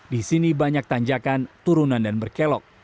di sini banyak tanjakan turunan dan berkelok